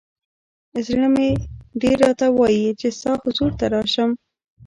ز ړه مې ډېر راته وایی چې ستا حضور ته راشم.